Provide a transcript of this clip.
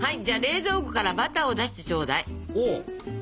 じゃあ冷蔵庫からバターを出してちょうだい。